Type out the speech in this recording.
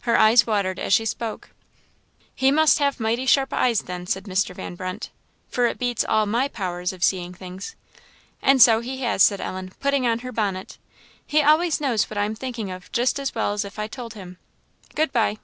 Her eyes watered as she spoke. "He must have mighty sharp eyes, then," said Mr. Van Brunt "for it beats all my powers of seeing things." "And so he has," said Ellen, putting on her bonnet; "he always knows what I am thinking of just as well as if I told him. Good bye!"